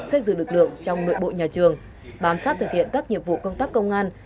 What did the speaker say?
xây dựng lực lượng trong nội bộ nhà trường bám sát thực hiện các nhiệm vụ công tác công an